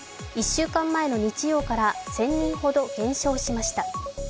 １週間前の日曜から１０００人ほど減少しました。